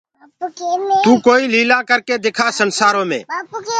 تو ڪوئيٚ ليلآ ڪرڪي دکآ سنسآرو مي